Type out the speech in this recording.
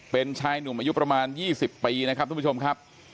เป็นชายหนุ่มอายุประมาณ๒๐ปีนะครับทุกผู้ชมครับ